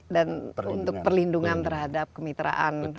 dan untuk perlindungan terhadap kemitraan